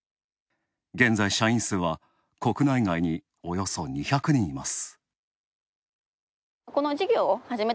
現在、社員数は国内外におよそ２００人います。